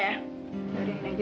ya udah yaudah